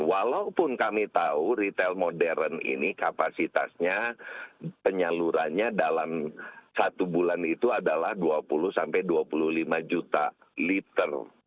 walaupun kami tahu retail modern ini kapasitasnya penyalurannya dalam satu bulan itu adalah dua puluh sampai dua puluh lima juta liter